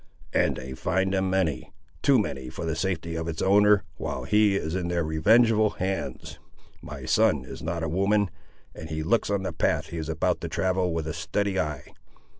"And they find them many. Too many for the safety of its owner, while he is in their revengeful hands. My son is not a woman, and he looks on the path he is about to travel with a steady eye.